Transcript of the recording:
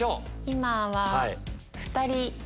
今は２人。